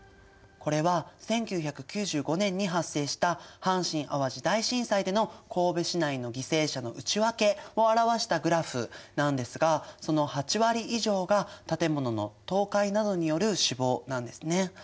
これは１９９５年に発生した阪神・淡路大震災での神戸市内の犠牲者の内訳を表したグラフなんですがその８割以上が建物の倒壊などによる死亡なんですね。